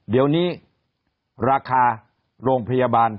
เดี๋ยวนี้ราคาโรงพยาบาล